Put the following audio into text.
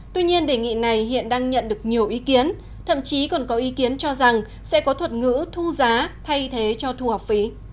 tuy nhiên đề nghị này hiện đang nhận được nhiều ý kiến thậm chí còn có ý kiến cho rằng sẽ có thuật ngữ thu giá thay thế cho thu học phí